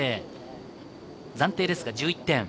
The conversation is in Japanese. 暫定ですが１１点。